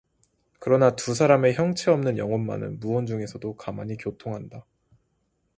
그러나 두 사람의 형체 없는 영혼만은 무언중에도 가만히 교통한다.